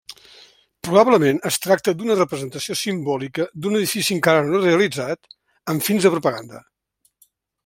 Probablement es tracta d'una representació simbòlica d'un edifici encara no realitzat, amb fins de propaganda.